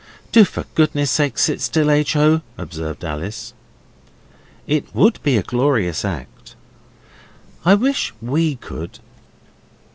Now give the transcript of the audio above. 'Do for goodness sake sit still, H. O.,' observed Alice. 'It would be a glorious act! I wish WE could.